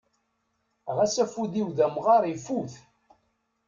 Ɣas afud-iw d amɣar ifut.